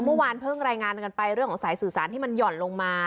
เมื่อวานเพิ่งรายงานกันไปเรื่องของสายสื่อสารที่มันหย่อนลงมา